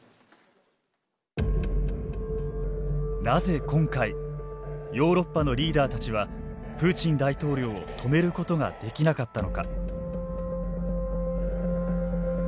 なぜ今回ヨーロッパのリーダーたちはプーチン大統領を止めることができなかったのか。